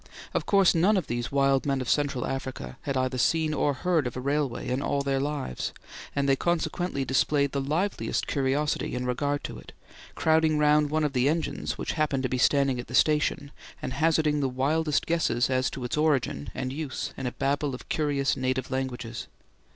Of course none of these wild men of Central Africa had either seen or heard of a railway in all their lives, and they consequently displayed the liveliest curiosity in regard to it, crowding round one of the engines which happened to be standing at the station, and hazarding the wildest guesses as to its origin and use in a babel of curious native languages.